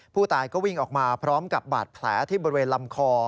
ผู้ตายก็วิ่งออกมาพร้อมกับบาดแผลที่บริเวณลำคอ